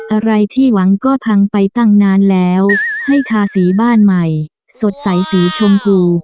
อะไรที่หวังก็พังไปตั้งนานแล้วให้ทาสีบ้านใหม่สดใสสีชมพู